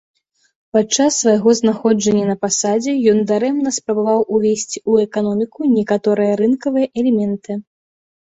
Падчас свайго знаходжання на пасадзе, ён дарэмна спрабаваў ўвесці ў эканоміку некаторыя рынкавыя элементы.